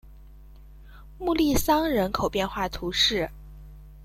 穆利桑人口变化图示